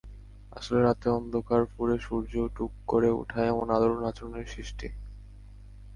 আসলে রাতের অন্ধকার ফুঁড়ে সূর্য টুক করে ওঠায় এমন আলোর নাচনের সৃষ্টি।